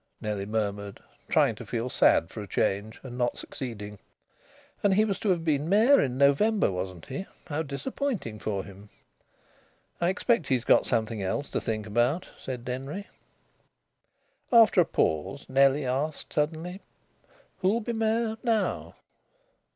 Nellie murmured, trying to feel sad for a change and not succeeding. "And he was to have been mayor in November, wasn't he? How disappointing for him." "I expect he's got something else to think about," said Denry. After a pause Nellie asked suddenly: "Who'll be mayor now?"